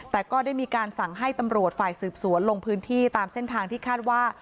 แต่ก็ได้มีการสั่งให้ตำรวจฝ่ายสืบสวนลงพื้นที่ตามเส้นทางที่คาดว่า